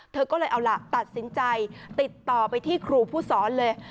เธอก็เลยเอาล่ะตัดสินใจติดต่อไปที่ครูผู้สอนเลย